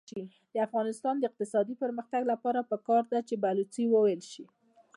د افغانستان د اقتصادي پرمختګ لپاره پکار ده چې بلوڅي وویل شي.